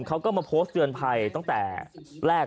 เขาก็มาโพสต์เตือนภัยตั้งแต่แรก